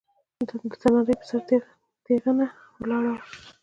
د تنارې پر سر تېغنه ولاړه وه.